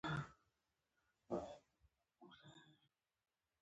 پسه د افغانستان د طبیعي زیرمو یوه برخه ده.